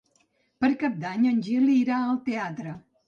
Per Cap d'Any en Gil irà al teatre.